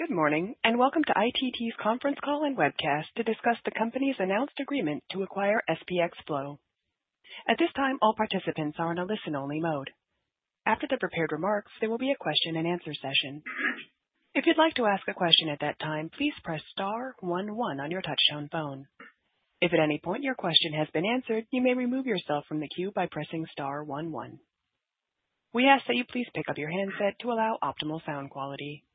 Good morning and welcome to ITT's conference call and webcast to discuss the company's announced agreement to acquire SPX Flow. At this time, all participants are in a listen-only mode. After the prepared remarks, there will be a question-and-answer session. If you'd like to ask a question at that time, please press star one one on your touch-tone phone. If at any point your question has been answered, you may remove yourself from the queue by pressing star one one. We ask that you please pick up your handset to allow optimal sound quality.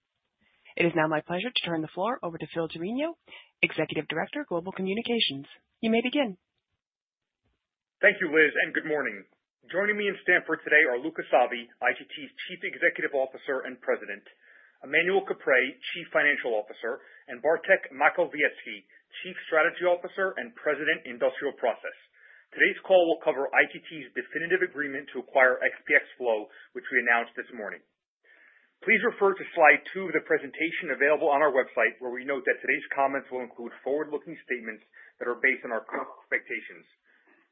It is now my pleasure to turn the floor over to Phil Terranova, Executive Director, Global Communications. You may begin. Thank you, Liz, and good morning. Joining me in Stamford today are Luca Savi, ITT's Chief Executive Officer and President, Emmanuel Caprais, Chief Financial Officer, and Bartek Makowiecki, Chief Strategy Officer and President, Industrial Process. Today's call will cover ITT's definitive agreement to acquire SPX Flow, which we announced this morning. Please refer to slide two of the presentation available on our website, where we note that today's comments will include forward-looking statements that are based on our expectations.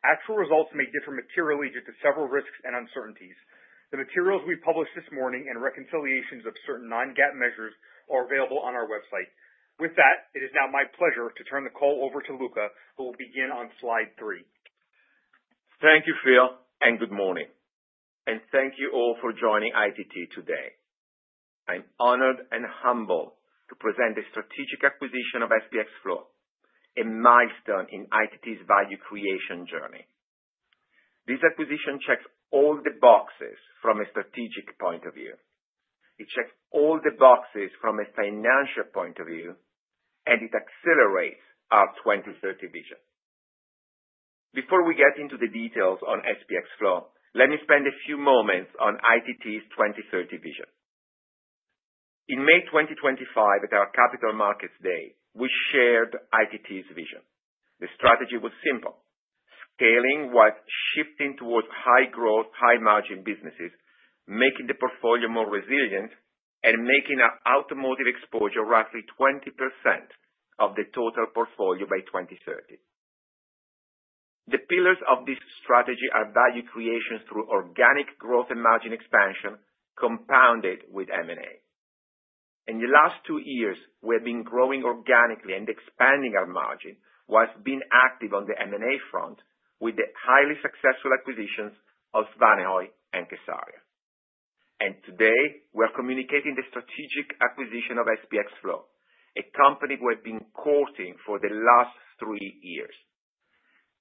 Actual results may differ materially due to several risks and uncertainties. The materials we published this morning and reconciliations of certain non-GAAP measures are available on our website. With that, it is now my pleasure to turn the call over to Luca, who will begin on slide three. Thank you, Phil, and good morning, and thank you all for joining ITT today. I'm honored and humbled to present the strategic acquisition of SPX Flow, a milestone in ITT's value creation journey. This acquisition checks all the boxes from a strategic point of view. It checks all the boxes from a financial point of view, and it accelerates our 2030 vision. Before we get into the details on SPX Flow, let me spend a few moments on ITT's 2030 vision. In May 2025, at our Capital Markets Day, we shared ITT's vision. The strategy was simple: scaling what's shifting towards high-growth, high-margin businesses, making the portfolio more resilient, and making our automotive exposure roughly 20% of the total portfolio by 2030. The pillars of this strategy are value creation through organic growth and margin expansion, compounded with M&A. In the last two years, we have been growing organically and expanding our margin while being active on the M&A front, with the highly successful acquisitions of Svanehøj and kSARIA. And today, we're communicating the strategic acquisition of SPX Flow, a company we have been courting for the last three years.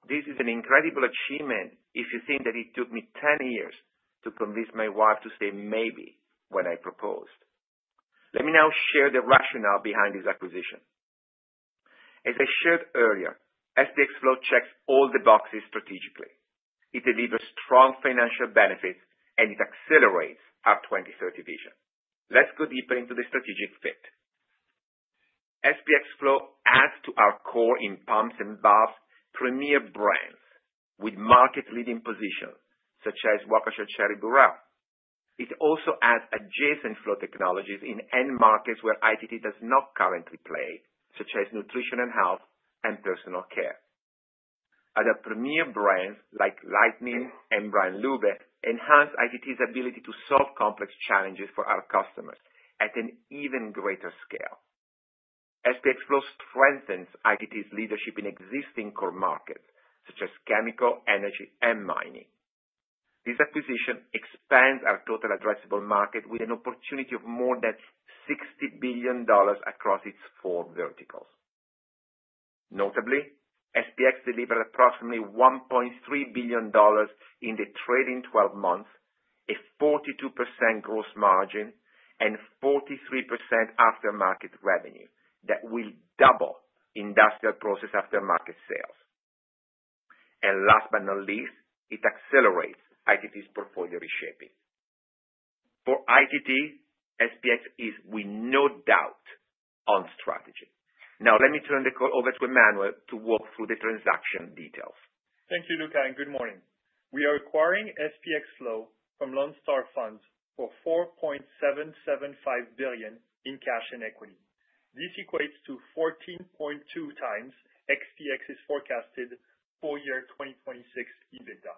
This is an incredible achievement if you think that it took me 10 years to convince my wife to say maybe when I proposed. Let me now share the rationale behind this acquisition. As I shared earlier, SPX Flow checks all the boxes strategically. It delivers strong financial benefits, and it accelerates our 2030 vision. Let's go deeper into the strategic fit. SPX Flow adds to our core in pumps and valves premier brands with market-leading positions such as Waukesha Cherry-Burrell. It also adds adjacent flow technologies in end markets where ITT does not currently play, such as Nutrition and Health and personal care. Other premier brands like Lightnin and Bran+Luebbe enhance ITT's ability to solve complex challenges for our customers at an even greater SPX Flow strengthens ITT's leadership in existing core markets such as chemical, energy, and mining. This acquisition expands our total addressable market with an opportunity of more than $60 billion across its four verticals. Notably, SPX delivered approximately $1.3 billion in the trailing 12 months, a 42% gross margin, and 43% aftermarket revenue that will double industrial process aftermarket sales. Last but not least, it accelerates ITT's portfolio reshaping. For ITT, SPX is, without a doubt, on strategy. Now, let me turn the call over to Emmanuel to walk through the transaction details. Thank you, Luca, and good morning. We are acquiring SPX Flow from Lone Star Funds for $4.775 billion in cash and equity. This equates to 14.2x SPX's forecasted four-year 2026 EBITDA,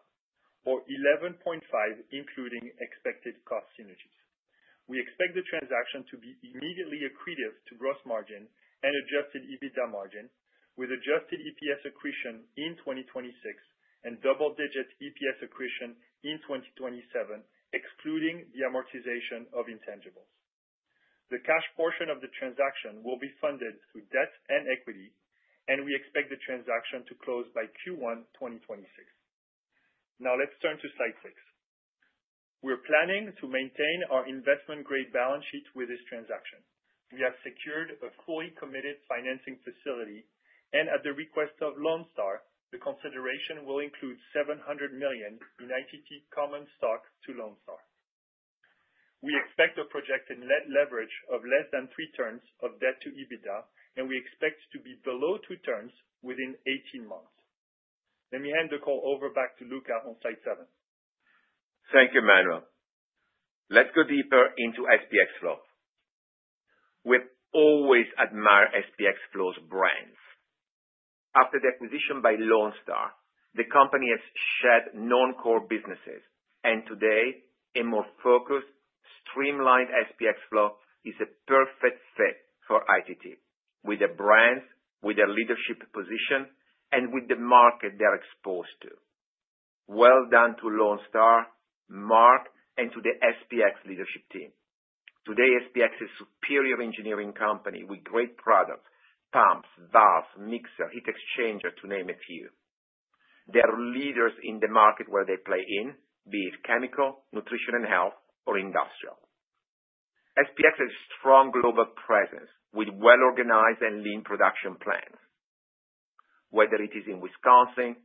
or 11.5 including expected cost synergies. We expect the transaction to be immediately accretive to gross margin and adjusted EBITDA margin, with adjusted EPS accretion in 2026 and double-digit EPS accretion in 2027, excluding the amortization of intangibles. The cash portion of the transaction will be funded through debt and equity, and we expect the transaction to close by Q1 2026. Now, let's turn to slide six. We're planning to maintain our investment-grade balance sheet with this transaction. We have secured a fully committed financing facility, and at the request of Lone Star, the consideration will include $700 million in ITT common stock to Lone Star. We expect a projected net leverage of less than three times debt to EBITDA, and we expect to be below two times within 18 months. Let me hand the call back over to Luca on slide seven. Thank you, Emmanuel. Let's go deeper SPX Flow. we always SPX Flow's brands. After the acquisition by Lone Star, the company has shed non-core businesses, and today, a more focused, SPX Flow is a perfect fit for ITT, with the brands, with their leadership position, and with the market they're exposed to. Well done to Lone Star, Marc, and to the SPX leadership team. Today, SPX is a superior engineering company with great products: pumps, valves, mixer, heat exchanger, to name a few. They're leaders in the market where they play in, be it chemical, nutrition, and health, or industrial. SPX has a strong global presence with well-organized and lean production plants, whether it is in Wisconsin,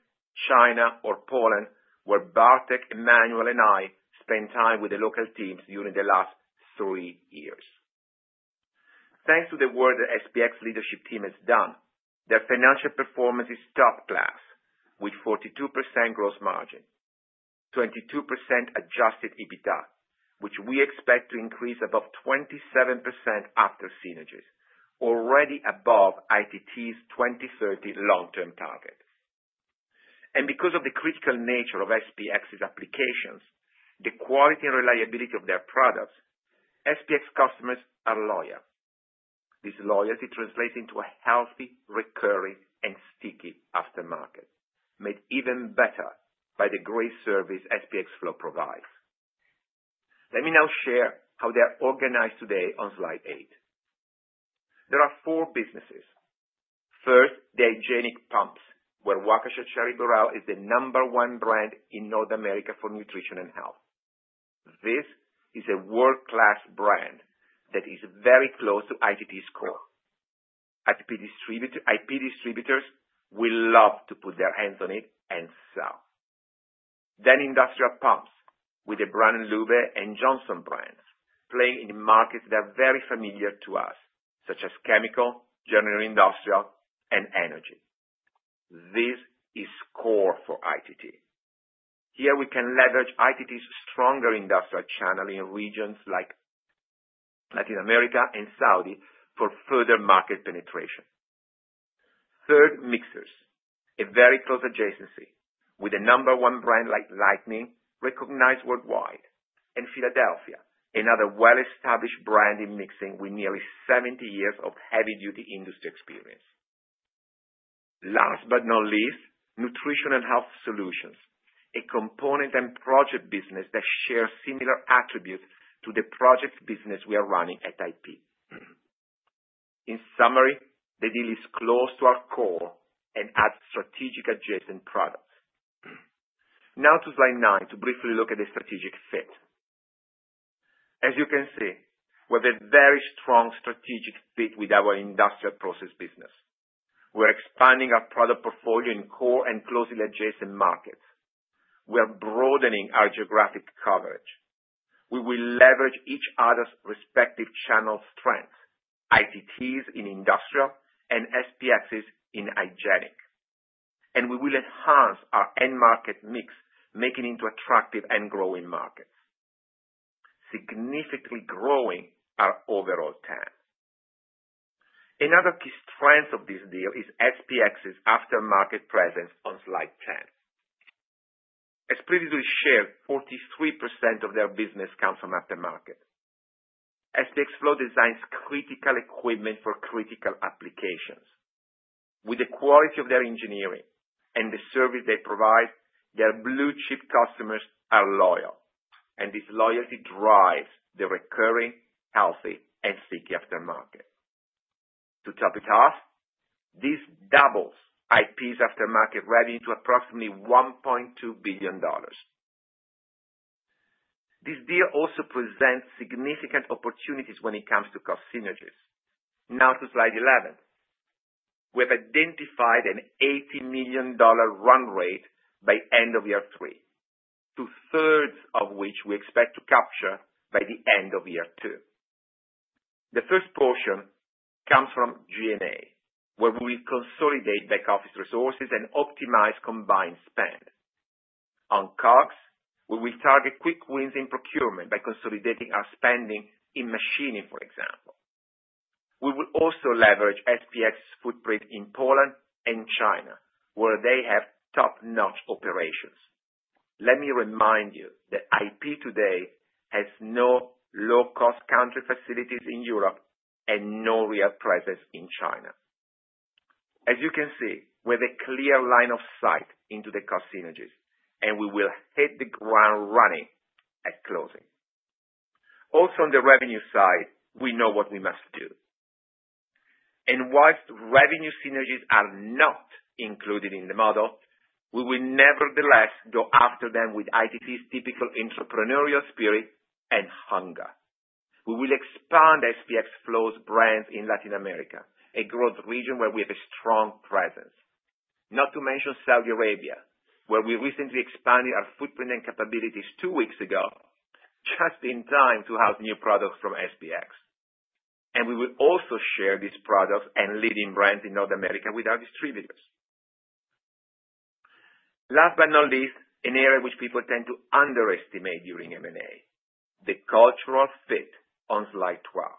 China, or Poland, where Bartek, Emmanuel, and I spent time with the local teams during the last three years. Thanks to the work the SPX leadership team has done, their financial performance is top-class, with 42% gross margin, 22% adjusted EBITDA, which we expect to increase above 27% after synergies, already above ITT's 2030 long-term target, and because of the critical nature of SPX's applications, the quality and reliability of their products, SPX customers are loyal. This loyalty translates into a healthy, recurring, and sticky aftermarket, made even better by the great service SPX Flow provides. Let me now share how they're organized today on slide eight. There are four businesses. First, the hygienic pumps, where Waukesha Cherry-Burrell is the number one brand in North America for Nutrition and Health. This is a world-class brand that is very close to ITT's core. IP distributors will love to put their hands on it and sell. Then industrial pumps, with the Bran+Luebbe and Johnson brands playing in markets that are very familiar to us, such as chemical, general industrial, and energy. This is core for ITT. Here, we can leverage ITT's stronger industrial channel in regions like Latin America and Saudi Arabia for further market penetration. Third, mixers, a very close adjacency with a number one brand like Lightnin, recognized worldwide, and Philadelphia, another well-established brand in mixing with nearly 70 years of heavy-duty industry experience. Last but not least, Nutrition and Health solutions, a component and project business that shares similar attributes to the project business we are running at ITT. In summary, the deal is close to our core and adds strategic adjacent products. Now to slide nine to briefly look at the strategic fit. As you can see, we have a very strong strategic fit with our industrial process business. We're expanding our product portfolio in core and closely adjacent markets. We're broadening our geographic coverage. We will leverage each other's respective channel strengths: ITT's in industrial and SPX's in hygienic, and we will enhance our end market mix, making it into attractive and growing markets, significantly growing our overall TAM. Another key strength of this deal is SPX's aftermarket presence on slide 10. As previously shared, 43% of their business comes from aftermarket. SPX Flow designs critical equipment for critical applications. With the quality of their engineering and the service they provide, their blue-chip customers are loyal, and this loyalty drives the recurring, healthy, and sticky aftermarket. To top it off, this doubles ITT's aftermarket revenue to approximately $1.2 billion. This deal also presents significant opportunities when it comes to cost synergies. Now to slide 11. We have identified an $80 million run rate by end of year three, two-thirds of which we expect to capture by the end of year two. The first portion comes from G&A, where we will consolidate back office resources and optimize combined spend. On COGS, we will target quick wins in procurement by consolidating our spending in machining, for example. We will also leverage SPX's footprint in Poland and China, where they have top-notch operations. Let me remind you that ITT today has no low-cost country facilities in Europe and no real presence in China. As you can see, we have a clear line of sight into the cost synergies, and we will hit the ground running at closing. Also, on the revenue side, we know what we must do. While revenue synergies are not included in the model, we will nevertheless go after them with ITT's typical entrepreneurial spirit and hunger. We will expand SPX Flow's brands in Latin America, a growth region where we have a strong presence, not to mention Saudi Arabia, where we recently expanded our footprint and capabilities two weeks ago, just in time to house new products from SPX. We will also share these products and leading brands in North America with our distributors. Last but not least, an area which people tend to underestimate during M&A: the cultural fit on slide 12.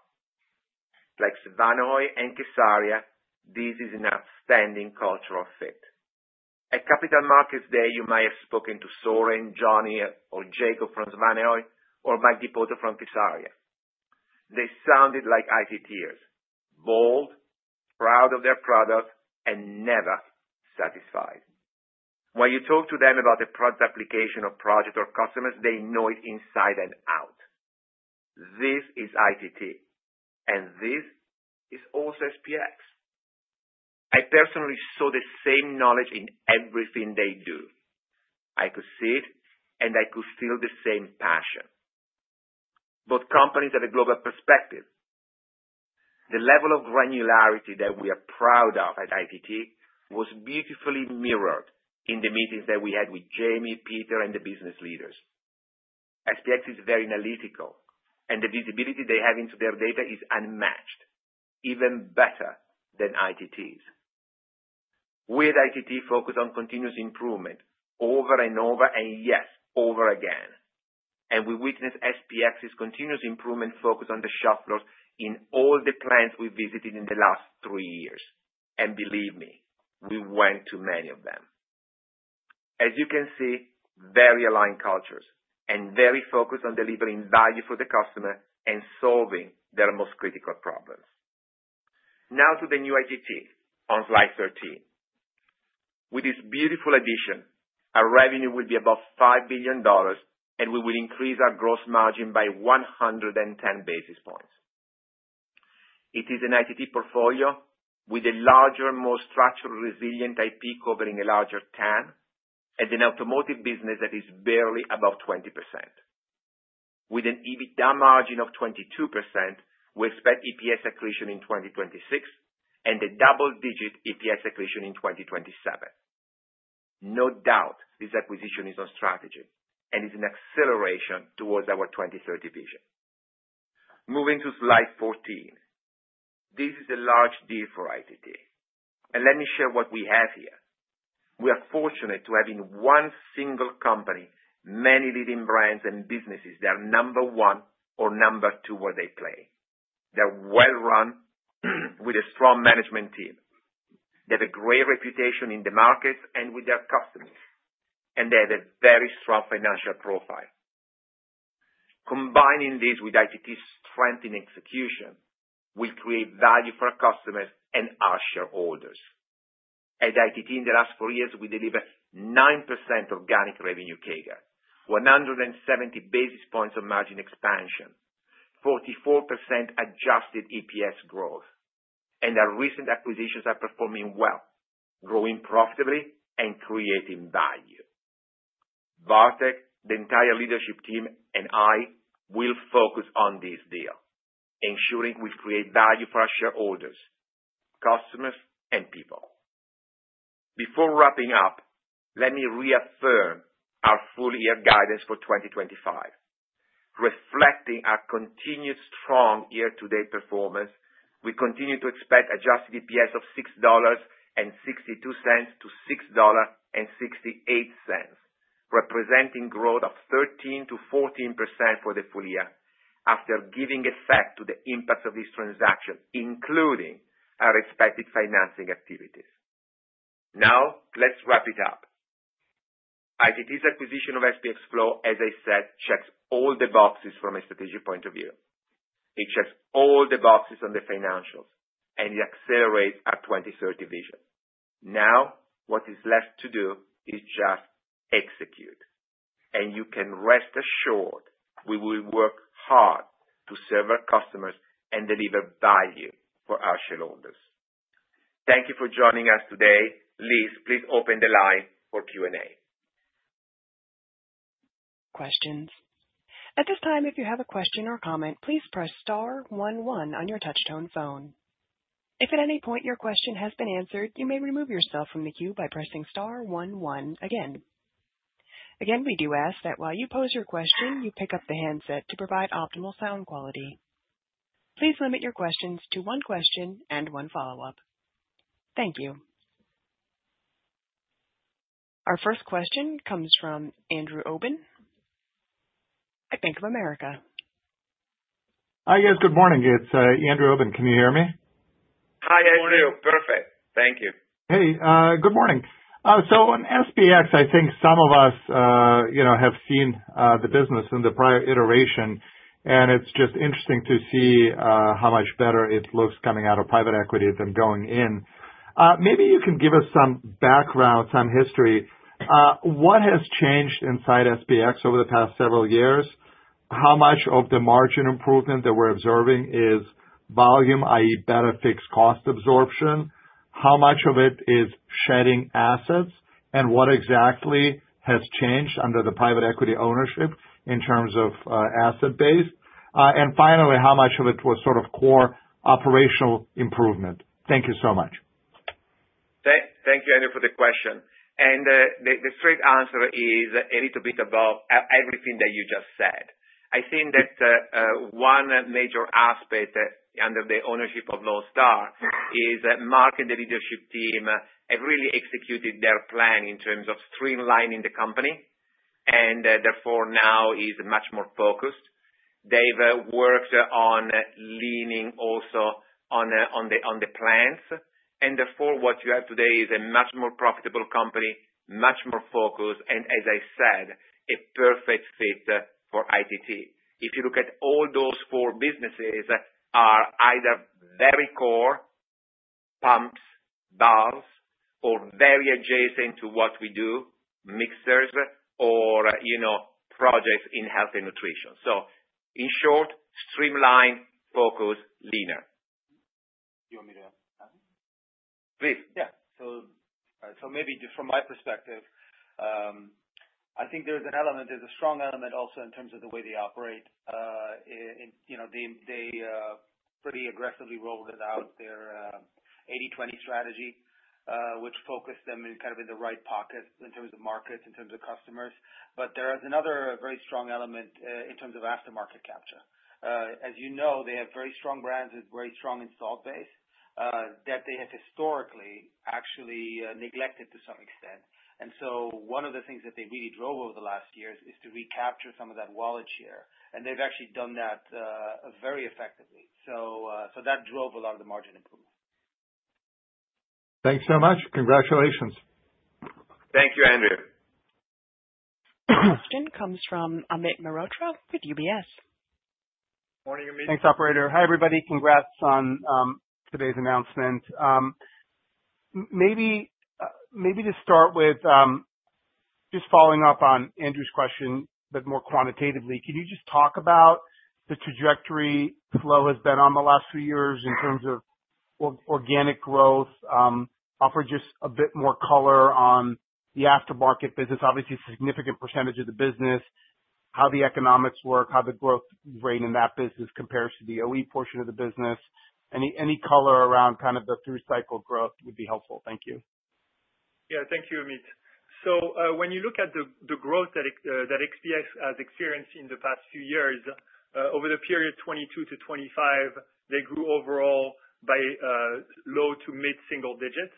Like Svanehøj and kSARIA, this is an outstanding cultural fit. At Capital Markets Day, you might have spoken to Søren, Johnny, or Jakob from Svanehøj, or Mike DePinto from kSARIA. They sounded like ITTers: bold, proud of their products, and never satisfied. When you talk to them about the product application or project or customers, they know it inside and out. This is ITT, and this is also SPX. I personally saw the same knowledge in everything they do. I could see it, and I could feel the same passion. Both companies have a global perspective. The level of granularity that we are proud of at ITT was beautifully mirrored in the meetings that we had with Jamie, Peter, and the business leaders. SPX is very analytical, and the visibility they have into their data is unmatched, even better than ITT's. We at ITT focus on continuous improvement over and over, and yes, over again, and we witness SPX's continuous improvement focus on the shop floors in all the plants we visited in the last three years, and believe me, we went to many of them. As you can see, very aligned cultures and very focused on delivering value for the customer and solving their most critical problems. Now to the new ITT on slide 13. With this beautiful addition, our revenue will be above $5 billion, and we will increase our gross margin by 110 basis points. It is an ITT portfolio with a larger, more structured, resilient IP covering a larger TAM, and an automotive business that is barely above 20%. With an EBITDA margin of 22%, we expect EPS accretion in 2026 and a double-digit EPS accretion in 2027. No doubt this acquisition is on strategy and is an acceleration towards our 2030 vision. Moving to slide 14. This is a large deal for ITT, and let me share what we have here. We are fortunate to have in one single company many leading brands and businesses that are number one or number two where they play. They're well-run with a strong management team. They have a great reputation in the markets and with their customers, and they have a very strong financial profile. Combining this with ITT's strength in execution will create value for our customers and our shareholders. At ITT, in the last four years, we delivered 9% organic revenue CAGR, 170 basis points of margin expansion, 44% adjusted EPS growth, and our recent acquisitions are performing well, growing profitably and creating value. Bartek, the entire leadership team, and I will focus on this deal, ensuring we create value for our shareholders, customers, and people. Before wrapping up, let me reaffirm our full-year guidance for 2025. Reflecting our continued strong year-to-date performance, we continue to expect adjusted EPS of $6.62-$6.68, representing growth of 13%-14% for the full year after giving effect to the impacts of this transaction, including our expected financing activities. Now, let's wrap it up. ITT's acquisition of SPX Flow, as I said, checks all the boxes from a strategic point of view. It checks all the boxes on the financials, and it accelerates our 2030 vision. Now, what is left to do is just execute. And you can rest assured we will work hard to serve our customers and deliver value for our shareholders. Thank you for joining us today. Liz, please open the line for Q&A. Questions. At this time, if you have a question or comment, please press star one one on your touch-tone phone. If at any point your question has been answered, you may remove yourself from the queue by pressing star one one again. Again, we do ask that while you pose your question, you pick up the handset to provide optimal sound quality. Please limit your questions to one question and one follow-up. Thank you. Our first question comes from Andrew Obin at Bank of America. Hi, yes, good morning. It's Andrew Obin. Can you hear me? Hi, Andrew. Perfect. Thank you. Hey, good morning, so on SPX, I think some of us have seen the business in the prior iteration, and it's just interesting to see how much better it looks coming out of private equity than going in. Maybe you can give us some background, some history. What has changed inside SPX over the past several years? How much of the margin improvement that we're observing is volume, i.e., better fixed cost absorption? How much of it is shedding assets, and what exactly has changed under the private equity ownership in terms of asset base, and finally, how much of it was sort of core operational improvement? Thank you so much. Thank you, Andrew, for the question, and the straight answer is a little bit about everything that you just said. I think that one major aspect under the ownership of Lone Star is that Marc and the leadership team have really executed their plan in terms of streamlining the company, and therefore now is much more focused. They've worked on leaning also on the plants. And therefore, what you have today is a much more profitable company, much more focused, and as I said, a perfect fit for ITT. If you look at all those four businesses, they are either very core pumps, valves, or very adjacent to what we do, mixers, or products in health and nutrition. So in short, streamlined, focused, leaner. Do you want me to add something? Please, yeah. So maybe from my perspective, I think there's an element, there's a strong element also in terms of the way they operate. They pretty aggressively rolled out their 80/20 strategy, which focused them kind of in the right pockets in terms of markets, in terms of customers. But there is another very strong element in terms of aftermarket capture. As you know, they have very strong brands with very strong installed base that they have historically actually neglected to some extent. And so one of the things that they really drove over the last years is to recapture some of that wallet share. And they've actually done that very effectively. So that drove a lot of the margin improvement. Thanks so much. Congratulations. Thank you, Andrew. Question comes from Amit Mehrotra with UBS. Morning, Amit. Thanks, operator. Hi, everybody. Congrats on today's announcement. Maybe to start with, just following up on Andrew's question, but more quantitatively, can you just talk about the trajectory Flow has been on the last few years in terms of organic growth? Offer just a bit more color on the aftermarket business, obviously a significant percentage of the business, how the economics work, how the growth rate in that business compares to the OE portion of the business. Any color around kind of the through cycle growth would be helpful. Thank you. Yeah, thank you, Amit. So when you look at the growth that SPX has experienced in the past few years, over the period 2022-2025, they grew overall by low to mid-single digits.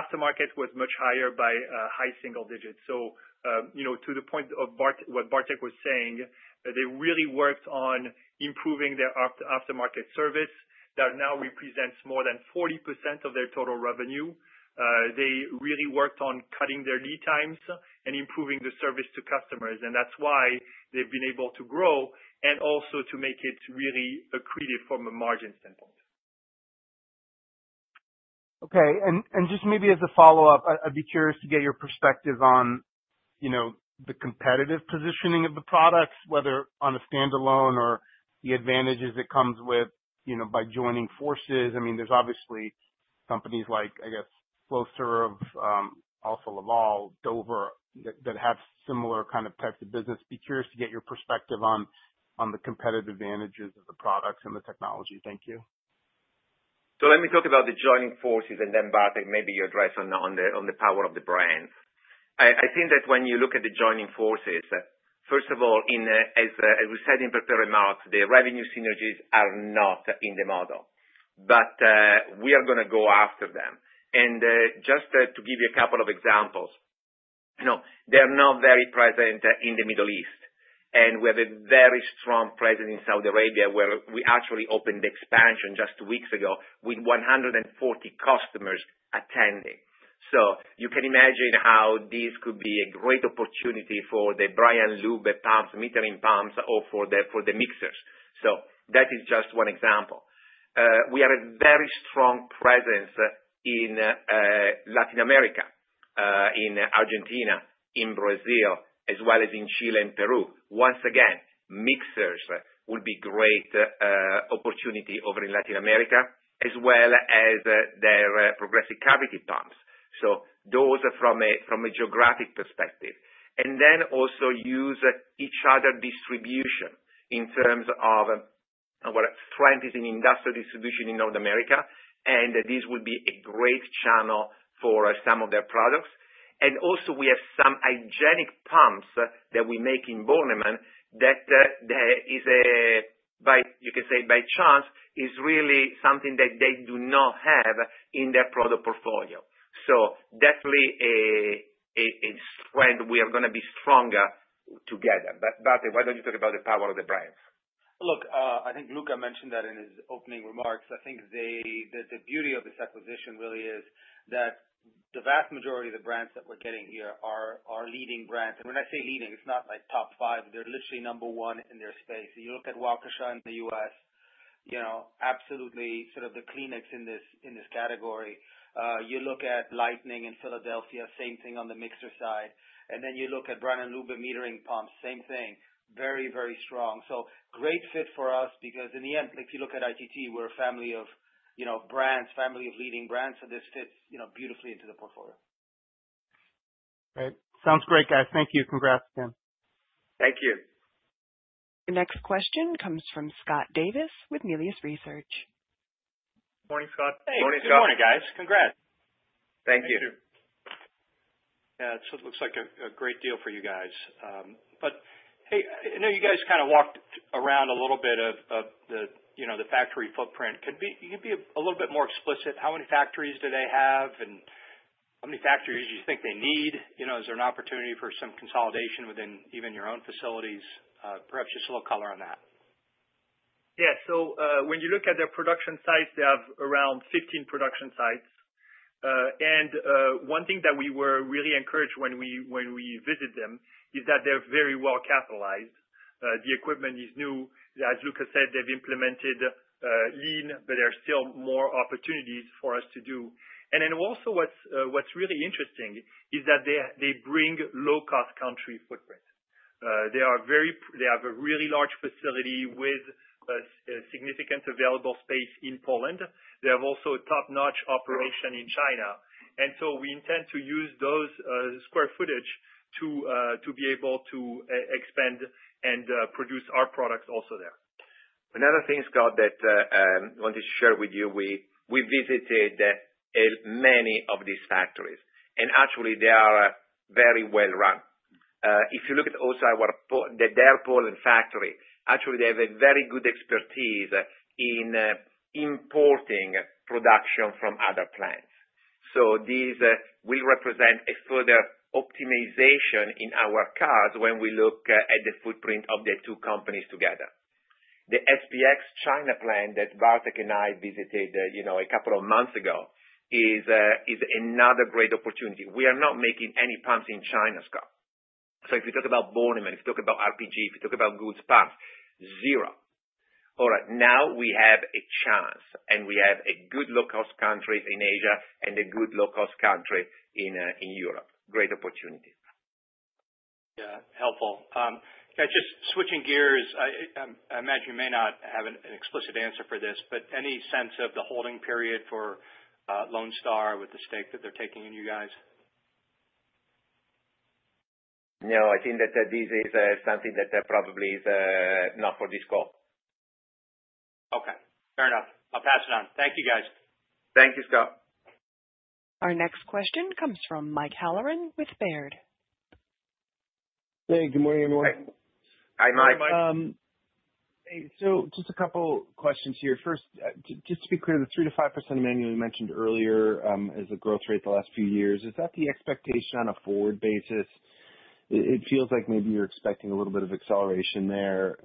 Aftermarket was much higher by high single digits. So to the point of what Bartek was saying, they really worked on improving their aftermarket service that now represents more than 40% of their total revenue. They really worked on cutting their lead times and improving the service to customers. And that's why they've been able to grow and also to make it really accretive from a margin standpoint. Okay. And just maybe as a follow-up, I'd be curious to get your perspective on the competitive positioning of the products, whether on a standalone or the advantages that come with by joining forces. I mean, there's obviously companies like, I guess, Flowserve, also Alfa Laval, Dover, that have similar kind of types of business. Be curious to get your perspective on the competitive advantages of the products and the technology. Thank you. So let me talk about the joining forces, and then Bartek, maybe you address on the power of the brand. I think that when you look at the joining forces, first of all, as we said in prepared remarks, the revenue synergies are not in the model, but we are going to go after them. And just to give you a couple of examples, they are not very present in the Middle East. And we have a very strong presence in Saudi Arabia, where we actually opened the expansion just two weeks ago with 140 customers attending. So you can imagine how this could be a great opportunity for the Bran+Luebbe pumps, Lightnin pumps, or for the mixers. So that is just one example. We have a very strong presence in Latin America, in Argentina, in Brazil, as well as in Chile and Peru. Once again, mixers will be a great opportunity over in Latin America, as well as their progressive cavity pumps, so those are from a geographic perspective, and then also use each other's distribution in terms of strength in industrial distribution in North America, and this will be a great channel for some of their products, and also, we have some hygienic pumps that we make in Bornemann that is, you can say, by chance, is really something that they do not have in their product portfolio, so definitely a strength. We are going to be stronger together, but Bartek, why don't you talk about the power of the brands? Look, I think Luca mentioned that in his opening remarks. I think the beauty of this acquisition really is that the vast majority of the brands that we're getting here are leading brands. And when I say leading, it's not like top five. They're literally number one in their space. You look at Waukesha in the U.S., absolutely sort of the Kleenex in this category. You look at Lightnin, Philadelphia, same thing on the mixer side. And then you look at Bran+Luebbe metering pumps, same thing, very, very strong. So great fit for us because in the end, if you look at ITT, we're a family of brands, family of leading brands, so this fits beautifully into the portfolio. All right. Sounds great, guys. Thank you. Congrats, Tim. Thank you. The next question comes from Scott Davis with Melius Research. Morning, Scott. Hey, good morning, guys. Congrats. Thank you. Yeah, it looks like a great deal for you guys. But hey, I know you guys kind of walked around a little bit of the factory footprint. Could you be a little bit more explicit? How many factories do they have and how many factories do you think they need? Is there an opportunity for some consolidation within even your own facilities? Perhaps just a little color on that. Yeah. So when you look at their production sites, they have around 15 production sites. And one thing that we were really encouraged when we visited them is that they're very well capitalized. The equipment is new. As Luca said, they've implemented lean, but there are still more opportunities for us to do. And then also what's really interesting is that they bring low-cost country footprint. They have a really large facility with significant available space in Poland. They have also a top-notch operation in China, and so we intend to use those square footage to be able to expand and produce our products also there. Another thing, Scott, that I wanted to share with you, we visited many of these factories. Actually, they are very well-run. If you look at also the Bydgoszcz, Poland factory, actually, they have a very good expertise in importing production from other plants. So these will represent a further optimization in our cards when we look at the footprint of the two companies together. The SPX China plant that Bartek and I visited a couple of months ago is another great opportunity. We are not making any pumps in China, Scott. So if you talk about Bornemann, if you talk about PG, if you talk about Goulds Pumps, zero. All right, now we have a chance, and we have a good low-cost country in Asia and a good low-cost country in Europe. Great opportunity. Yeah, helpful. Just switching gears, I imagine you may not have an explicit answer for this, but any sense of the holding period for Lone Star with the stake that they're taking in you guys? No, I think that this is something that probably is not for this call. Okay. Fair enough. I'll pass it on. Thank you, guys. Thank you, Scott. Our next question comes from Mike Halloran with Baird. Hey, good morning, everyone. Hi, Mike. Hey, Mike. So just a couple of questions here. First, just to be clear, the 3%-5% organic you mentioned earlier as a growth rate the last few years, is that the expectation on a forward basis? It feels like maybe you're expecting a little bit of acceleration there.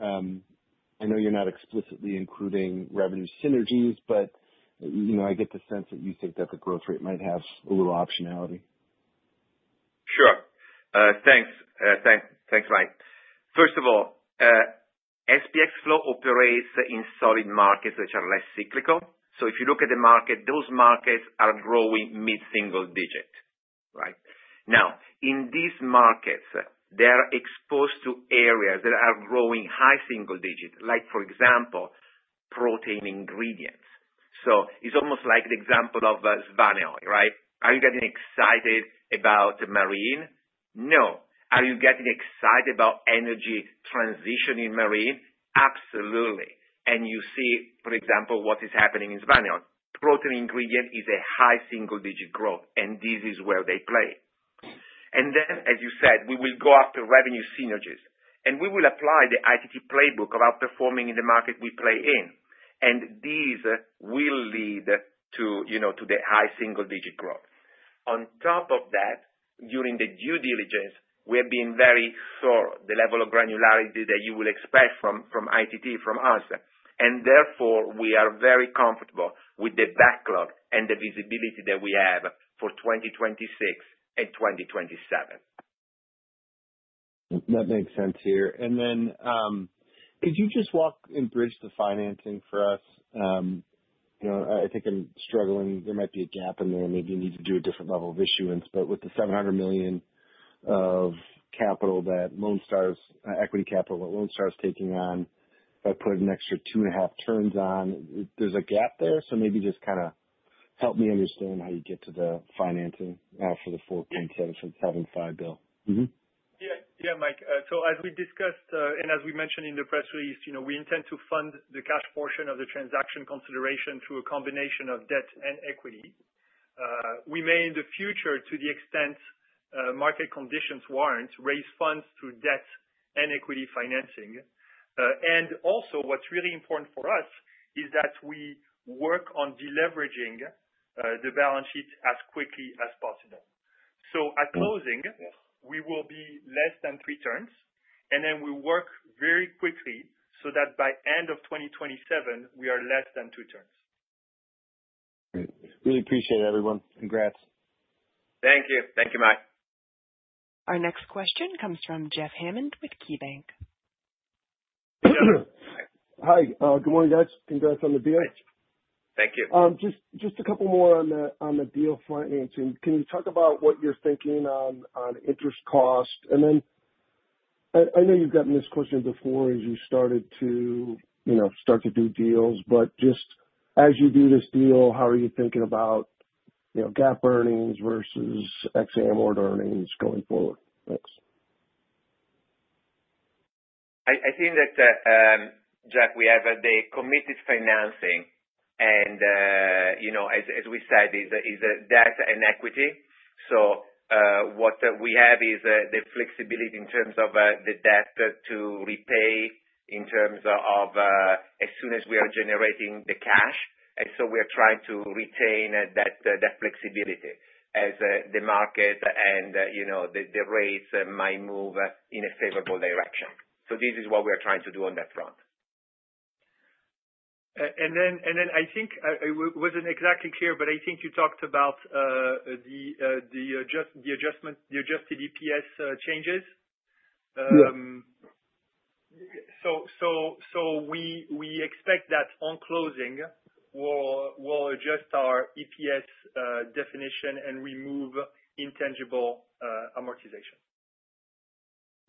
I know you're not explicitly including revenue synergies, but I get the sense that you think that the growth rate might have a little optionality. Sure. Thanks. Thanks, Mike. First of all, SPX Flow operates in solid markets which are less cyclical. So if you look at the market, those markets are growing mid-single digit, right? Now, in these markets, they are exposed to areas that are growing high single digit, like, for example, protein ingredients. So it's almost like the example of Svanehøj, right? Are you getting excited about marine? No. Are you getting excited about energy transition in marine? Absolutely. And you see, for example, what is happening in Svanehøj. Protein ingredient is a high single-digit growth, and this is where they play. And then, as you said, we will go after revenue synergies, and we will apply the ITT playbook of outperforming in the market we play in. And these will lead to the high single-digit growth. On top of that, during the due diligence, we have been very thorough, the level of granularity that you will expect from ITT, from us, and therefore, we are very comfortable with the backlog and the visibility that we have for 2026 and 2027. That makes sense here. And then could you just walk and bridge the financing for us? I think I'm struggling. There might be a gap in there. Maybe you need to do a different level of issuance. But with the $700 million of capital that Lone Star's equity capital, what Lone Star's taking on, I put an extra two and a half turns on. There's a gap there. So maybe just kind of help me understand how you get to the financing for the $4.775 billion. Yeah, Mike. So as we discussed and as we mentioned in the press release, we intend to fund the cash portion of the transaction consideration through a combination of debt and equity. We may, in the future, to the extent market conditions warrant, raise funds through debt and equity financing. And also, what's really important for us is that we work on deleveraging the balance sheet as quickly as possible. So at closing, we will be less than three turns. And then we work very quickly so that by end of 2027, we are less than two turns. Really appreciate it, everyone. Congrats. Thank you. Thank you, Mike. Our next question comes from Jeff Hammond with KeyBanc. Hi, good morning, guys. Congrats on the deal. Thank you. Just a couple more on the deal financing. Can you talk about what you're thinking on interest cost, and then I know you've gotten this question before as you started to do deals, but just as you do this deal, how are you thinking about GAAP earnings versus adjusted earnings going forward? Thanks. I think that, Jeff, we have the committed financing. And as we said, it's debt and equity. So what we have is the flexibility in terms of the debt to repay in terms of as soon as we are generating the cash. And so we are trying to retain that flexibility as the market and the rates might move in a favorable direction. So this is what we are trying to do on that front. I think it wasn't exactly clear, but I think you talked about the adjusted EPS changes. We expect that on closing, we'll adjust our EPS definition and remove intangible amortization.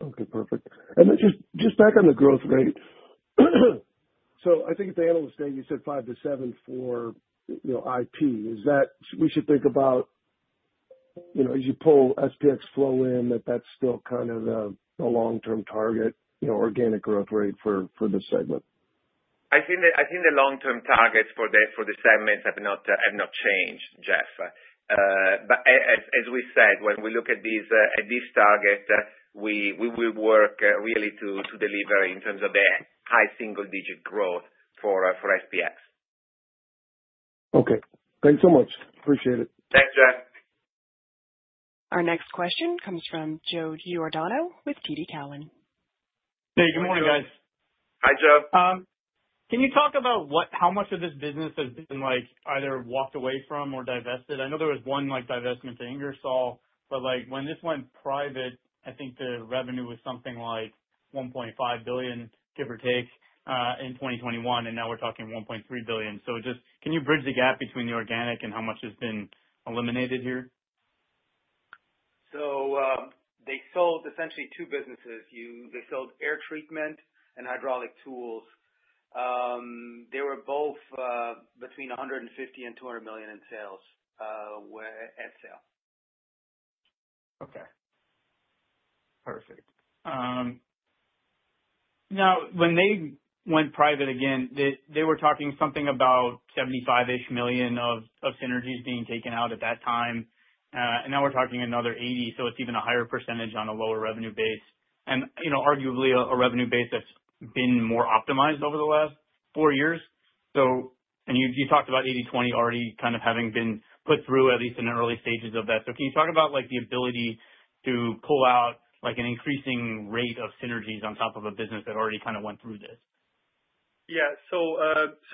Okay, perfect. And just back on the growth rate. So I think at the analyst day, you said five to seven for IP. We should think about, as you pull SPX Flow in, that that's still kind of the long-term target, organic growth rate for the segment. I think the long-term targets for the segments have not changed, Jeff. But as we said, when we look at this target, we will work really to deliver in terms of the high single-digit growth for SPX. Okay. Thanks so much. Appreciate it. Thanks, Jeff. Our next question comes from Joe Giordano with TD Cowen. Hey, good morning, guys. Hi, Joe. Can you talk about how much of this business has been either walked away from or divested? I know there was one divestment to Ingersoll, but when this went private, I think the revenue was something like $1.5 billion, give or take, in 2021. And now we're talking $1.3 billion. So can you bridge the gap between the organic and how much has been eliminated here? So they sold essentially two businesses. They sold Air Treatment and Hydraulic Tools. They were both between $150 million and $200 million in sales and sale. Okay. Perfect. Now, when they went private again, they were talking something about $75-ish million of synergies being taken out at that time. And now we're talking another $80, so it's even a higher percentage on a lower revenue base, and arguably a revenue base that's been more optimized over the last four years. And you talked about 80/20 already kind of having been put through at least in the early stages of that. So can you talk about the ability to pull out an increasing rate of synergies on top of a business that already kind of went through this? Yeah. So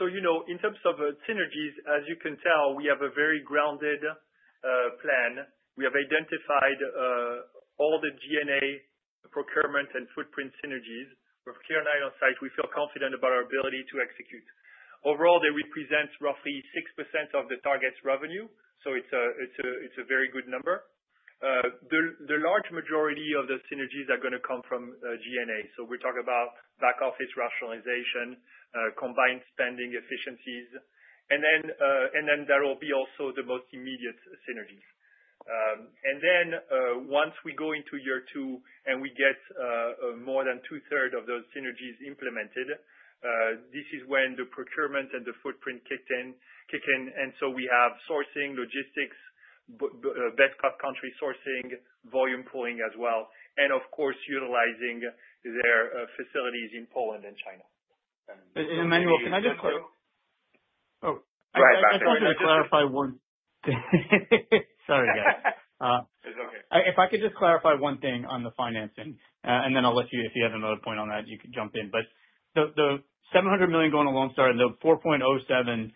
in terms of synergies, as you can tell, we have a very grounded plan. We have identified all the G&A procurement and footprint synergies. With clear line of sight, we feel confident about our ability to execute. Overall, they represent roughly 6% of the target's revenue. So it's a very good number. The large majority of the synergies are going to come from G&A. So we're talking about back office rationalization, combined spending efficiencies. And then there will be also the most immediate synergies. And then once we go into year two and we get more than two-thirds of those synergies implemented, this is when the procurement and the footprint kick in. And so we have sourcing, logistics, best-cost country sourcing, volume pooling as well, and of course, utilizing their facilities in Poland and China. Emmanuel, can I just. Go ahead. Sorry about that. I just wanted to clarify one thing. Sorry, guys. It's okay. If I could just clarify one thing on the financing, and then I'll let you if you have another point on that, you can jump in. But the $700 million going to Lone Star and the $4.07 billion,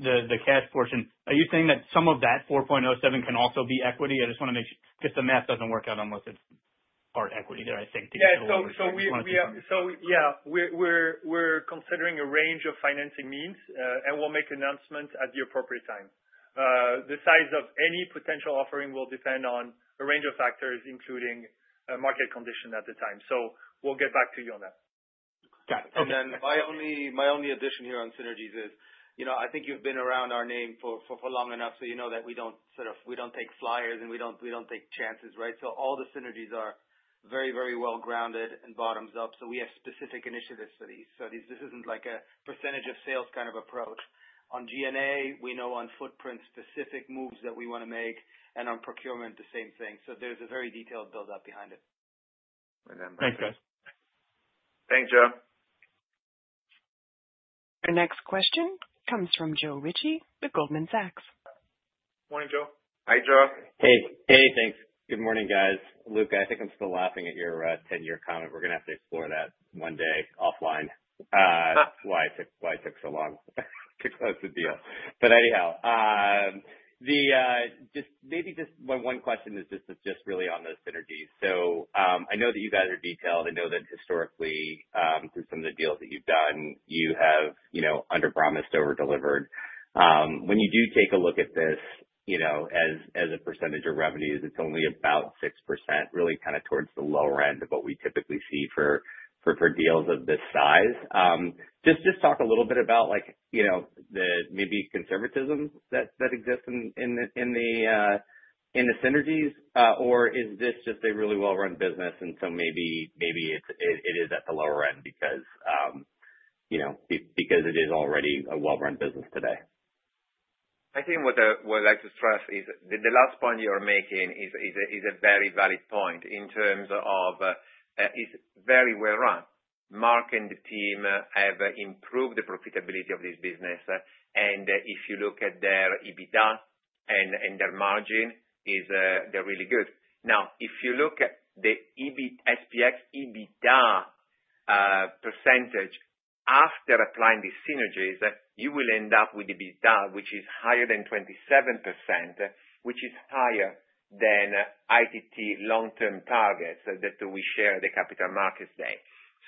the cash portion, are you saying that some of that $4.07 billion can also be equity? I just want to make sure because the math doesn't work out unless it's part equity that I think. Yeah. So yeah, we're considering a range of financing means, and we'll make an announcement at the appropriate time. The size of any potential offering will depend on a range of factors, including market condition at the time. So we'll get back to you on that. Got it. And then my only addition here on synergies is I think you've been around our name for long enough, so you know that we don't take flyers and we don't take chances, right? So all the synergies are very, very well-grounded and bottoms up. So we have specific initiatives for these. So this isn't like a percentage of sales kind of approach. On G&A, we know on footprint, specific moves that we want to make, and on procurement, the same thing. So there's a very detailed build-up behind it. Thanks, guys. Thanks, Joe. Our next question comes from Joe Ritchie with Goldman Sachs. Morning, Joe. Hi, Joe. Hey. Hey, thanks. Good morning, guys. Luca, I think I'm still laughing at your 10-year comment. We're going to have to explore that one day offline. That's why it took so long to close the deal. But anyhow, maybe just one question is just really on those synergies. So I know that you guys are detailed. I know that historically, through some of the deals that you've done, you have under-promised, over-delivered. When you do take a look at this, as a percentage of revenues, it's only about 6%, really kind of towards the lower end of what we typically see for deals of this size. Just talk a little bit about maybe conservatism that exists in the synergies, or is this just a really well-run business, and so maybe it is at the lower end because it is already a well-run business today? I think what I just stressed is the last point you are making is a very valid point in terms of it's very well-run. Marc and the team have improved the profitability of this business. And if you look at their EBITDA and their margin, they're really good. Now, if you look at the SPX EBITDA percentage, after applying these synergies, you will end up with EBITDA, which is higher than 27%, which is higher than ITT long-term targets that we share at the capital markets day.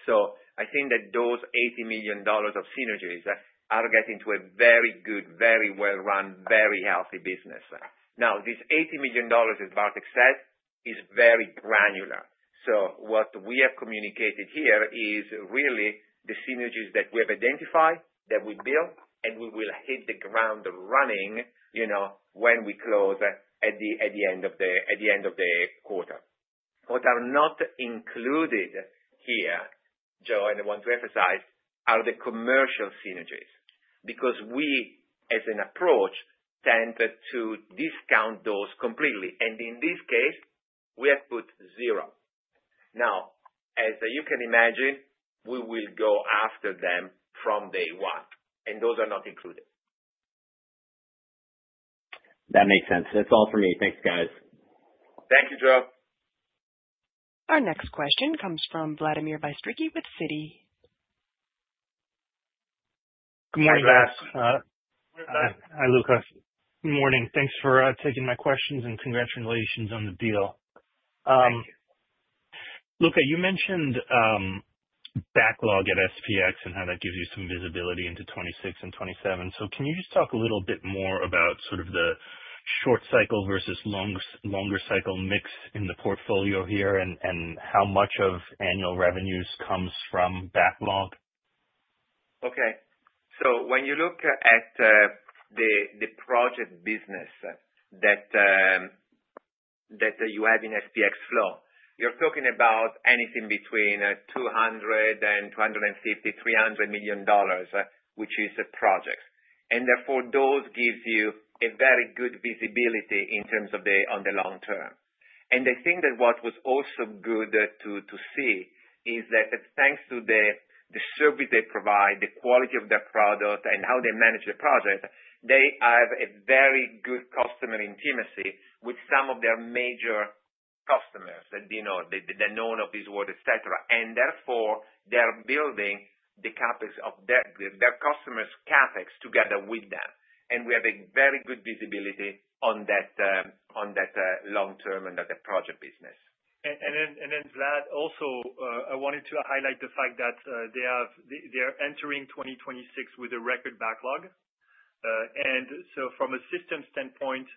So I think that those $80 million of synergies are getting to a very good, very well-run, very healthy business. Now, this $80 million, as Bartek said, is very granular. So what we have communicated here is really the synergies that we have identified, that we built, and we will hit the ground running when we close at the end of the quarter. What are not included here, Joe, and I want to emphasize, are the commercial synergies because we, as an approach, tend to discount those completely, and in this case, we have put zero. Now, as you can imagine, we will go after them from day one, and those are not included. That makes sense. That's all for me. Thanks, guys. Thank you, Joe. Our next question comes from Vlad Bystricky with Citi. Good morning, guys. Hi, Luca. Good morning. Thanks for taking my questions and congratulations on the deal. Luca, you mentioned backlog at SPX and how that gives you some visibility into 2026 and 2027. So can you just talk a little bit more about sort of the short cycle versus longer cycle mix in the portfolio here and how much of annual revenues comes from backlog? Okay. So when you look at the project business that you have in SPX Flow, you're talking about anything between $200 and $300 million, which is a project. And therefore, those give you a very good visibility in terms of the long term. And I think that what was also good to see is that thanks to the service they provide, the quality of their product, and how they manage the project, they have a very good customer intimacy with some of their major customers that they know of, etc. And therefore, they're building the customers' CapEx together with them. And we have a very good visibility on that long term and that project business. And then, Vlad, also, I wanted to highlight the fact that they are entering 2026 with a record backlog. And so from a system standpoint,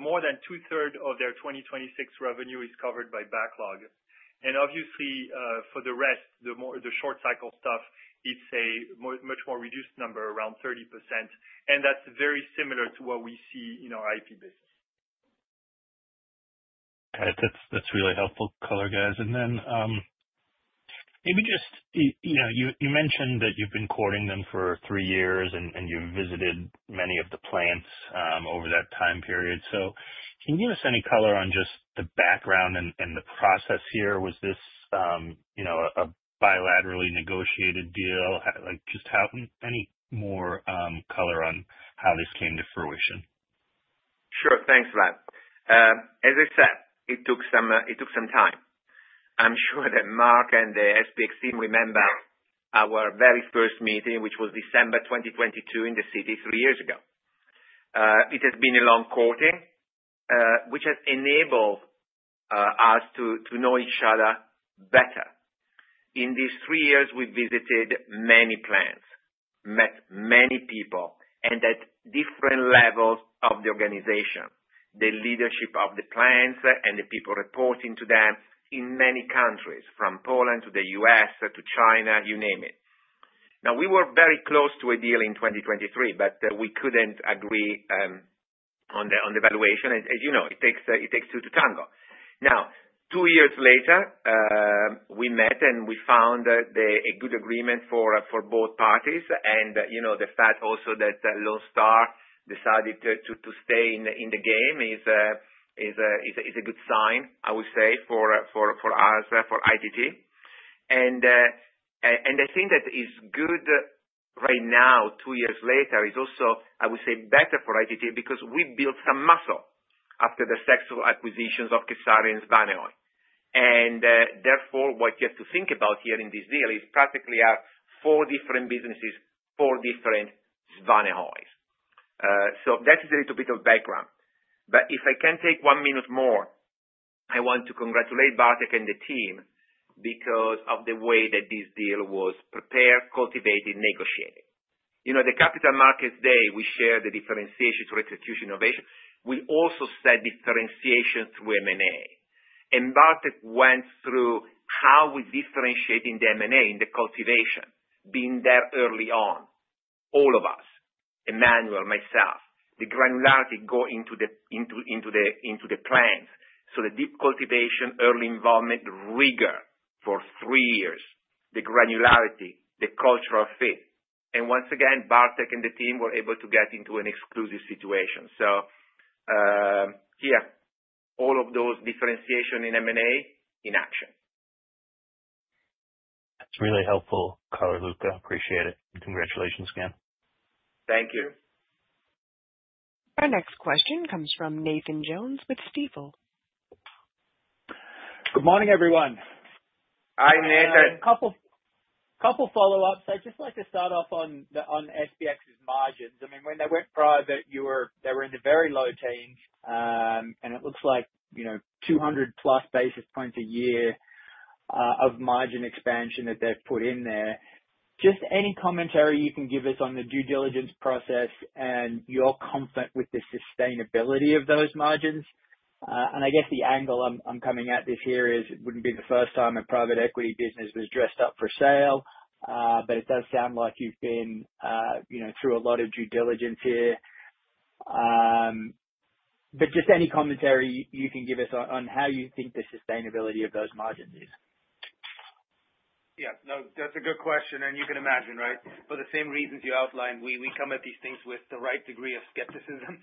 more than two-thirds of their 2026 revenue is covered by backlog. And obviously, for the rest, the short cycle stuff, it's a much more reduced number, around 30%. And that's very similar to what we see in our ITT business. That's really helpful color, guys, and then maybe just you mentioned that you've been courting them for three years and you've visited many of the plants over that time period, so can you give us any color on just the background and the process here? Was this a bilaterally negotiated deal? Just any more color on how this came to fruition? Sure. Thanks, Vlad. As I said, it took some time. I'm sure that Marc and the SPX team remember our very first meeting, which was December 2022 in the city three years ago. It has been a long courting, which has enabled us to know each other better. In these three years, we visited many plants, met many people, and at different levels of the organization, the leadership of the plants and the people reporting to them in many countries, from Poland to the U.S. to China, you name it. Now, we were very close to a deal in 2023, but we couldn't agree on the valuation. As you know, it takes two to tango. Now, two years later, we met and we found a good agreement for both parties. And the fact also that Lone Star decided to stay in the game is a good sign, I would say, for us, for ITT. And I think that is good right now, two years later, is also, I would say, better for ITT because we built some muscle after the successful acquisitions of kSARIA and Svanehøj. And therefore, what you have to think about here in this deal is practically four different businesses, four different Svanehøjs. So that is a little bit of background. But if I can take one minute more, I want to congratulate Bartek and the team because of the way that this deal was prepared, cultivated, and negotiated. The Capital Markets Day, we shared the differentiation through execution innovation. We also said differentiation through M&A. And Bartek went through how we differentiate in the M&A, in the cultivation, being there early on, all of us, Emmanuel, myself, the granularity going into the plants. So the deep cultivation, early involvement, the rigor for three years, the granularity, the cultural fit. And once again, Bartek and the team were able to get into an exclusive situation. So here, all of those differentiation in M&A in action. Really helpful color, Luca. Appreciate it. Congratulations, again. Thank you. Our next question comes from Nathan Jones with Stifel. Good morning, everyone. Hi, Nathan. A couple of follow-ups. I'd just like to start off on SPX's margins. I mean, when they went private, they were in the very low teens, and it looks like 200+ basis points a year of margin expansion that they've put in there. Just any commentary you can give us on the due diligence process and your comfort with the sustainability of those margins. And I guess the angle I'm coming at this here is it wouldn't be the first time a private equity business was dressed up for sale, but it does sound like you've been through a lot of due diligence here. But just any commentary you can give us on how you think the sustainability of those margins is. Yeah. No, that's a good question. And you can imagine, right? For the same reasons you outlined, we come at these things with the right degree of skepticism.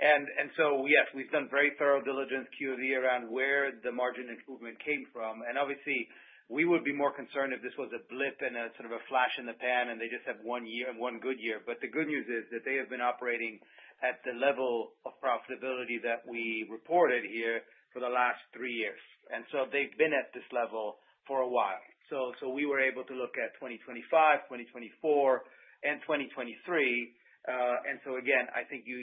And so, yes, we've done very thorough diligence Q&A around where the margin improvement came from. And obviously, we would be more concerned if this was a blip and sort of a flash in the pan and they just have one year and one good year. But the good news is that they have been operating at the level of profitability that we reported here for the last three years. And so they've been at this level for a while. So we were able to look at 2025, 2024, and 2023. And so, again, I think you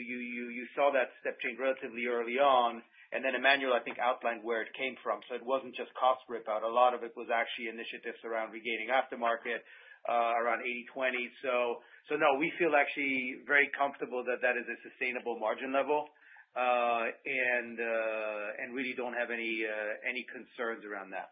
saw that step change relatively early on. And then Emmanuel, I think, outlined where it came from. So it wasn't just cost rip-out. A lot of it was actually initiatives around regaining aftermarket around 80/20. So no, we feel actually very comfortable that that is a sustainable margin level and really don't have any concerns around that.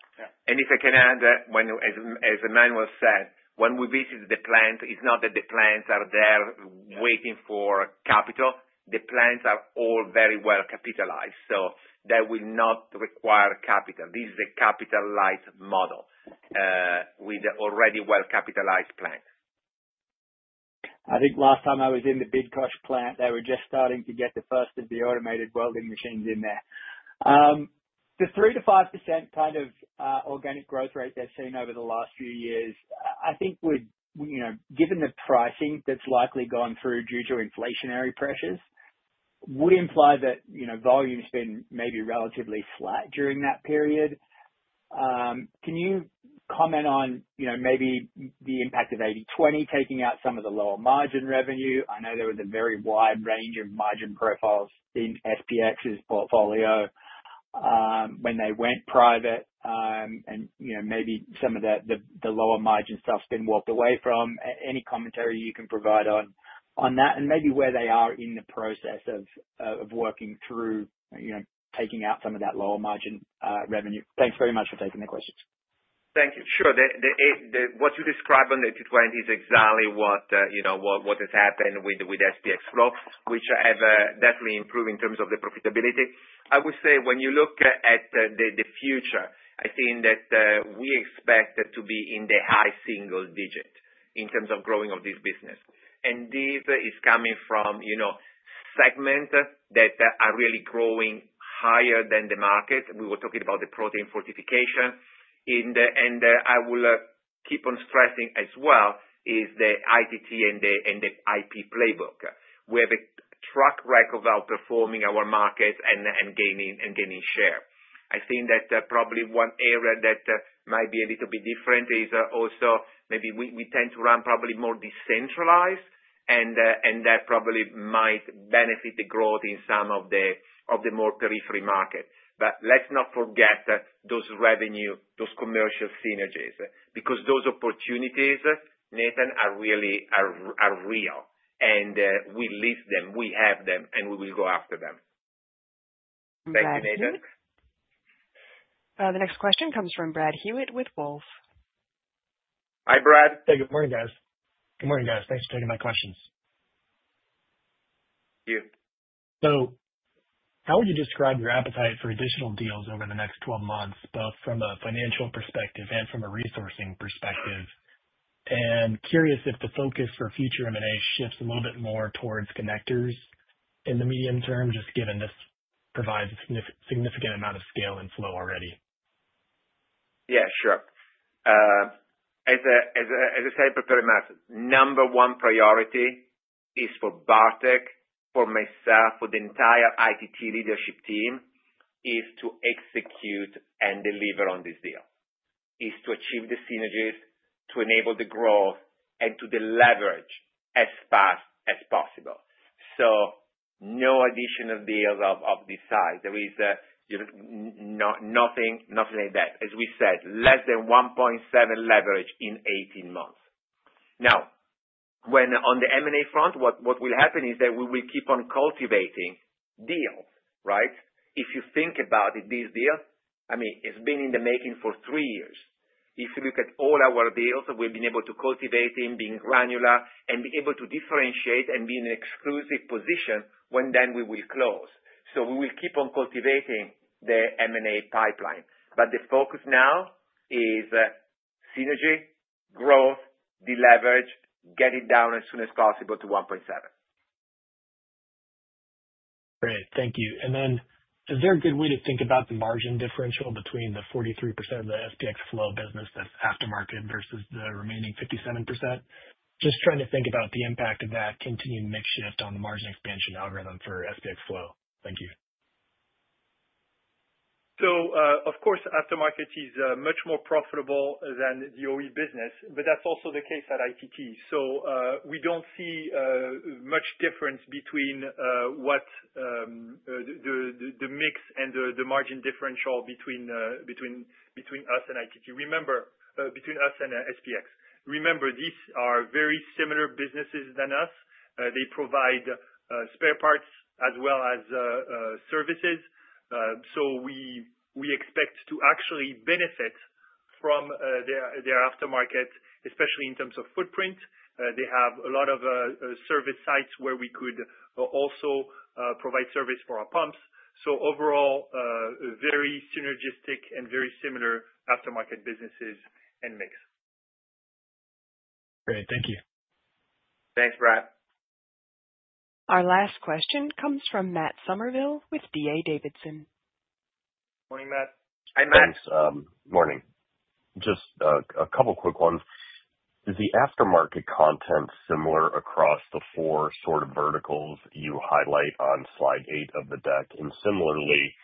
If I can add that, as Emmanuel said, when we visit the plant, it's not that the plants are there waiting for capital. The plants are all very well capitalized. So that will not require capital. This is a capital light model with already well-capitalized plants. I think last time I was in the Bydgoszcz plant, they were just starting to get the first of the automated welding machines in there. The 3%-5% kind of organic growth rate they've seen over the last few years, I think given the pricing that's likely gone through due to inflationary pressures, would imply that volume has been maybe relatively flat during that period. Can you comment on maybe the impact of 80/20 taking out some of the lower margin revenue? I know there was a very wide range of margin profiles in SPX's portfolio when they went private, and maybe some of the lower margin stuff has been walked away from. Any commentary you can provide on that and maybe where they are in the process of working through taking out some of that lower margin revenue? Thanks very much for taking the questions. Thank you. Sure. What you described on the 2020 is exactly what has happened with SPX Flow, which have definitely improved in terms of the profitability. I would say when you look at the future, I think that we expect to be in the high single digit in terms of growing of this business. And this is coming from segments that are really growing higher than the market. We were talking about the protein fortification. And I will keep on stressing as well is the ITT and the IP playbook. We have a track record of outperforming our markets and gaining share. I think that probably one area that might be a little bit different is also maybe we tend to run probably more decentralized, and that probably might benefit the growth in some of the more peripheral markets. But let's not forget those revenue, those commercial synergies because those opportunities, Nathan, are real. And we list them, we have them, and we will go after them. Thank you, Nathan. The next question comes from Brett Hewitt with Wolfe. Hi, Brett. Hey, good morning, guys. Good morning, guys. Thanks for taking my questions. Thank you. So how would you describe your appetite for additional deals over the next 12 months, both from a financial perspective and from a resourcing perspective? And curious if the focus for future M&A shifts a little bit more towards connectors in the medium term, just given this provides a significant amount of scale and flow already. Yeah, sure. As I said, number one priority is for ITT, for myself, for the entire ITT leadership team, is to execute and deliver on this deal, is to achieve the synergies, to enable the growth, and to leverage as fast as possible. So no additional deals of this size. There is nothing like that. As we said, less than 1.7 leverage in 18 months. Now, on the M&A front, what will happen is that we will keep on cultivating deals, right? If you think about it, this deal, I mean, it's been in the making for three years. If you look at all our deals, we've been able to cultivate in being granular and be able to differentiate and be in an exclusive position when then we will close. So we will keep on cultivating the M&A pipeline. But the focus now is synergy, growth, deleverage, get it down as soon as possible to 1.7. Great. Thank you. And then is there a good way to think about the margin differential between the 43% of the SPX Flow business that's aftermarket versus the remaining 57%? Just trying to think about the impact of that continued mix shift on the margin expansion algorithm for SPX Flow. Thank you. So, of course, aftermarket is much more profitable than the OE business, but that's also the case at ITT. So we don't see much difference between the mix and the margin differential between us and ITT. Remember, between us and SPX, remember, these are very similar businesses than us. They provide spare parts as well as services. So we expect to actually benefit from their aftermarket, especially in terms of footprint. They have a lot of service sites where we could also provide service for our pumps. So overall, very synergistic and very similar aftermarket businesses and mix. Great. Thank you. Thanks, Brett. Our last question comes from Matt Summerville with D.A. Davidson. Morning, Matt. Hi, Matt. Morning. Just a couple of quick ones. Is the aftermarket content similar across the four sort of verticals you highlight on slide eight of the deck? And similarly,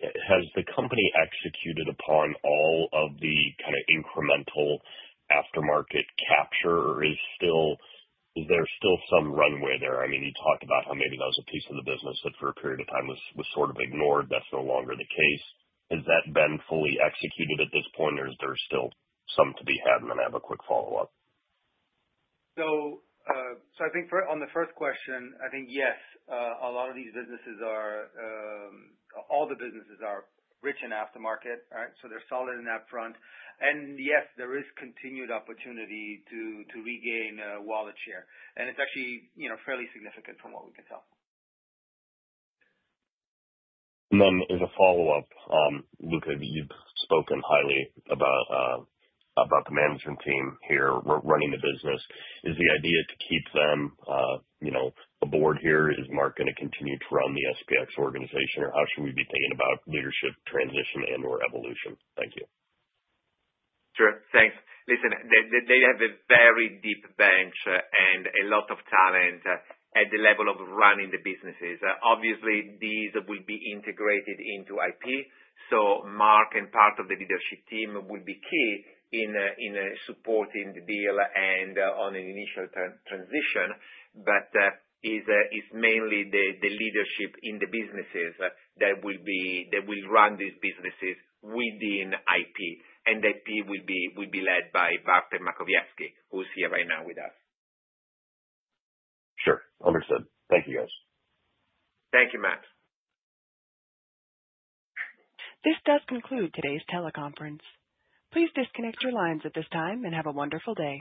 has the company executed upon all of the kind of incremental aftermarket capture, or is there still some runway there? I mean, you talked about how maybe that was a piece of the business that for a period of time was sort of ignored. That's no longer the case. Has that been fully executed at this point, or is there still some to be had? I'm going to have a quick follow-up. I think on the first question, I think, yes, a lot of these businesses are rich in aftermarket, right? They're solid in that front. Yes, there is continued opportunity to regain wallet share. It's actually fairly significant from what we can tell. Then in the follow-up, Luca, you've spoken highly about the management team here, running the business. Is the idea to keep them aboard here? Is Marc going to continue to run the SPX organization, or how should we be thinking about leadership transition and/or evolution? Thank you. Sure. Thanks. Listen, they have a very deep bench and a lot of talent at the level of running the businesses. Obviously, these will be integrated into IP. So Marc and part of the leadership team will be key in supporting the deal and on an initial transition. But it's mainly the leadership in the businesses that will run these businesses within IP, and IP will be led by Bartek Makowiecki, who is here right now with us. Sure. Understood. Thank you, guys. Thank you, Matt. This does conclude today's teleconference. Please disconnect your lines at this time and have a wonderful day.